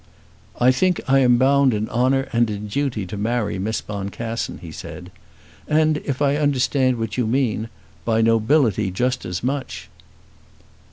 "I think I am bound in honour and in duty to marry Miss Boncassen," he said. "And, if I understand what you mean, by nobility just as much."